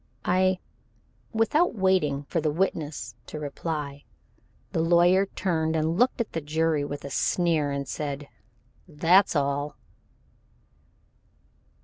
"I " Without waiting for the witness to reply, the lawyer turned and looked at the jury and with a sneer, said: "That's all."